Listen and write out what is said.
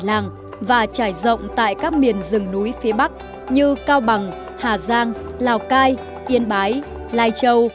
làng và trải rộng tại các miền rừng núi phía bắc như cao bằng hà giang lào cai yên bái lai châu